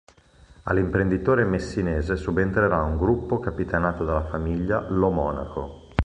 All’imprenditore messinese subentrerà un gruppo capitanato dalla famiglia Lo Monaco.